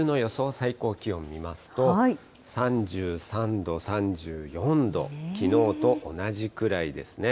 最高気温を見ますと、３３度、３４度、きのうと同じくらいですね。